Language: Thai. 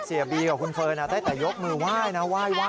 บีกับคุณเฟิร์นได้แต่ยกมือไหว้นะไหว้